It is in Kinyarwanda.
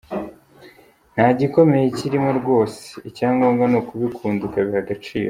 Nta gikomeye kirimo rwose, icya ngombwa ni ukubikunda ukabiha agaciro.